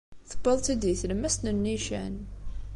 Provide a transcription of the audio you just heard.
Tewwiḍ-tt-id di tlemmast n nnican.